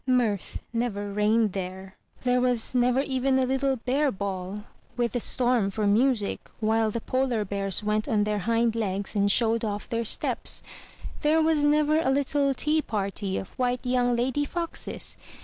Mirth never reigned there; there was never even a little bear ball, with the storm for music, while the polar bears went on their hind legs and showed off their steps; there was never a little tea party of white young lady foxes!